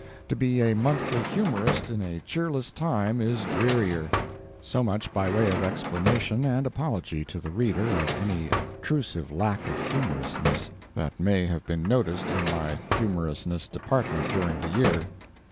To be a monthly humorist in a cheerless time is drearier.] [So much by way of explanation and apology to the reader of any obtrusive lack of humorousness that may have been noticed in my humorousness department during the year.